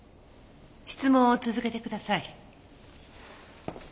質問を続けてください。